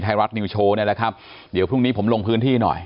ไทยรัฐนิวโชว์นี่แหละครับเดี๋ยวพรุ่งนี้ผมลงพื้นที่หน่อย